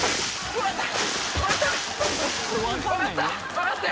分かった。